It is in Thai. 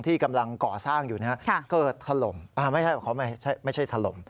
ที่กำลังก่อสร้างอยู่นะครับเกิดทหลมอ่าไม่ใช่ทหลม